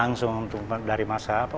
langsung untuk dari masa apa